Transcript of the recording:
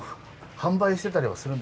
販売してたりはするんでしょうか。